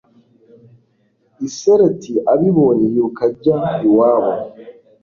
Iseult abibonye yiruka ajya iwabo